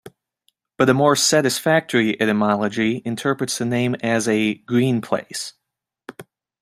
But a more satisfactory etymology interprets the name as a "green-place".